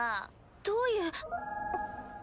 どういう。